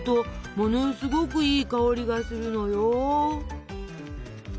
ものすごくいい香りがするのよ。